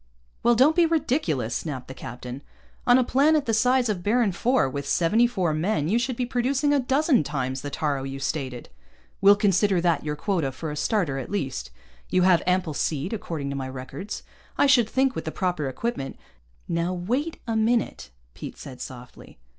"Well, don't be ridiculous," snapped the captain. "On a planet the size of Baron IV, with seventy four men, you should be producing a dozen times the taaro you stated. We'll consider that your quota for a starter, at least. You have ample seed, according to my records. I should think, with the proper equipment " "Now wait a minute," Pete said softly.